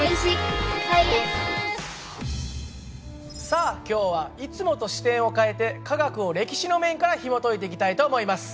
さあ今日はいつもと視点を変えて科学を歴史の面からひもといていきたいと思います。